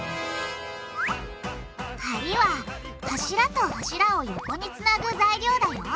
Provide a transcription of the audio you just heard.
「梁」は柱と柱を横につなぐ材料だよ。